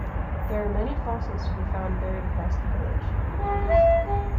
There are many fossils to be found buried across the village.